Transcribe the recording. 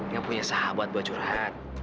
yang punya sahabat buat curhat